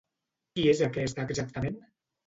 Qui és aquest exactament?